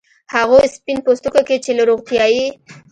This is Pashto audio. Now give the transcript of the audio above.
هغو سپین پوستکو کې چې له روغتیايي